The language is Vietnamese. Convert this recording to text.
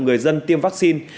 người dân tiêm vaccine